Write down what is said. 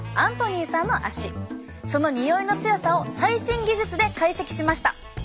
そのにおいの強さを最新技術で解析しました。